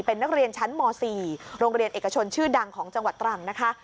เป็นนักเรียนชั้นม๔โรงเรียนเอกชนชื่อดังของจังหวัดตรังนะคะ